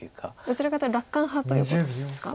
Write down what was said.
どちらかというと楽観派ということですか？